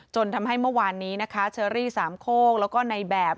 จนทำให้เมื่อวานนี้นะคะเชอรี่สามโคกแล้วก็ในแบบ